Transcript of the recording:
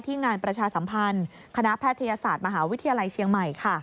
งานประชาสัมพันธ์คณะแพทยศาสตร์มหาวิทยาลัยเชียงใหม่